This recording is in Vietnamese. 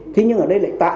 thế nhưng ở đây lại tạo